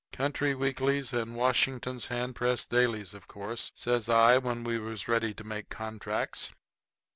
"Country weeklies and Washington hand press dailies, of course," says I when we was ready to make contracts.